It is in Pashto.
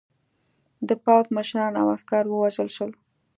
د پوځ مشران او عسکر ووژل شول.